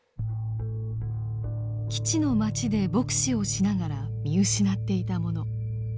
基地の街で牧師をしながら見失っていたもの。